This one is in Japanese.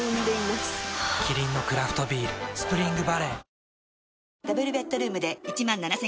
キリンのクラフトビール「スプリングバレー」